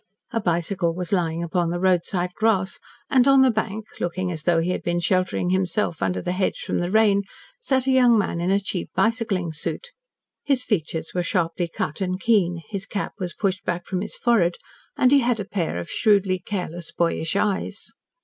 A bicycle was lying upon the roadside grass, and on the bank, looking as though he had been sheltering himself under the hedge from the rain, sat a young man in a cheap bicycling suit. His features were sharply cut and keen, his cap was pushed back from his forehead, and he had a pair of shrewdly careless boyish eyes.